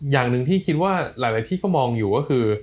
อย่างหนึ่งที่คิดว่าหลายที่เขามองอยู่ก็คือ